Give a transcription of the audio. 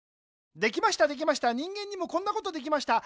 できましたできました人間にもこんなことできました。